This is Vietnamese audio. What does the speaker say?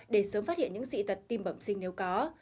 để sớm phát hiện những dị tật tim bẩm sinh nếu có